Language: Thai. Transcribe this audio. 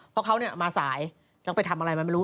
เพราะเขามาสายแล้วไปทำอะไรมันไม่รู้